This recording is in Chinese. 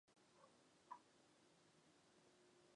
自然也就是傻子了。